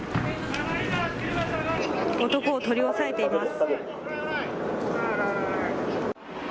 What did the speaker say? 男を取り押さえています。